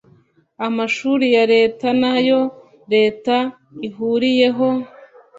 amashuri ya Leta n ayo Leta ihuriyeho